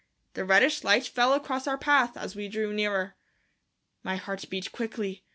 The reddish light fell across our path as we drew nearer. My heart beat quickly.